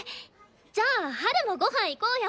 じゃあハルもごはん行こうよ！